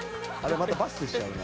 またバックしちゃうな。